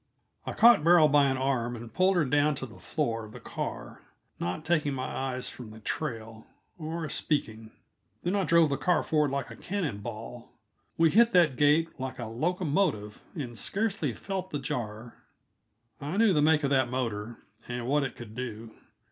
I caught Beryl by an arm and pulled her down to the floor of the car, not taking my eyes from the trail, or speaking. Then I drove the car forward like a cannon ball. We hit that gate like a locomotive, and scarcely felt the jar. I knew the make of that motor, and what it could do.